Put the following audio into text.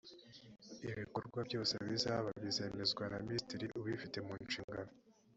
ibikorwa byose bizaba bizemezwa na minisitiri ubifite munshingano